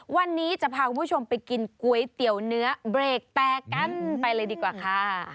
วันนี้จะพาคุณผู้ชมไปกินก๋วยเตี๋ยวเนื้อเบรกแตกกันไปเลยดีกว่าค่ะ